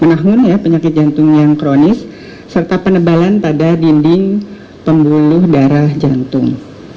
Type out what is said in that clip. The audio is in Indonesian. nahun ya penyakit jantung yang kronis serta penebalan pada dinding pembuluh darah jantung